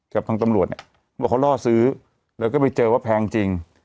กับทางตำรวจเนี่ยบอกเขาล่อซื้อแล้วก็ไปเจอว่าแพงจริง